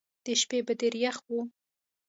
د شپې به ډېر یخ وو.